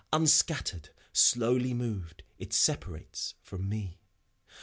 Unscattered, slowly moved, it separates from me.